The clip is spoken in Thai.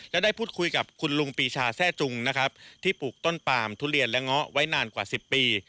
และได้พูดคุยกับคุณลุงปีชาแทร่จุงนะครับที่ปลูกต้นปามทุเรียนและเงาะไว้นานกว่า๑๐ปี